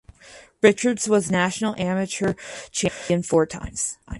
Richards was national amateur champion four times.